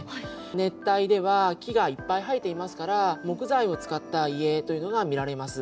熱帯では木がいっぱい生えていますから木材を使った家というのが見られます。